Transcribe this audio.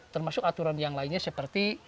termasuk aturan yang lainnya seperti